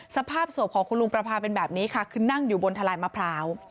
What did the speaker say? สภาพศพของคุณลุงประพาเป็นแบบนี้ค่ะคือนั่งอยู่บนทะลายมะพร้าว